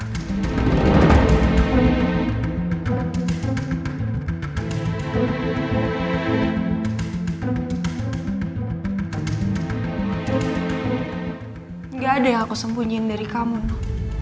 nggak ada yang aku sembunyikan dari kamu no